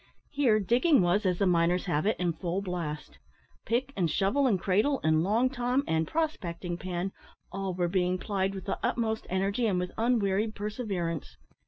Here digging was, as the miners have it, in full blast. Pick, and shovel, and cradle, and long tom, and prospecting pan all were being plied with the utmost energy and with unwearied perseverance.